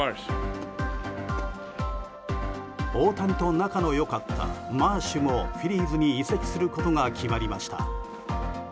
大谷と仲の良かったマーシュもフィリーズに移籍することが決まりました。